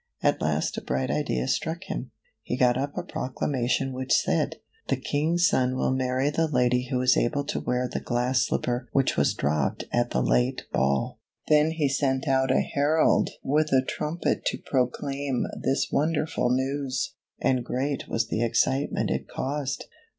At last a bright idea struck him. He got up a proclama tion which said : The King's son will marry the lady who is able to wear THE GLASS SLIPPER WHICH WAS DROPPED AT THE LATE BALL. Then he sent out a herald with a trumpet to proclaim this wonderful news, and great was the excitement it caused.